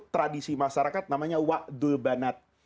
tradisi masyarakat namanya wa'dul banat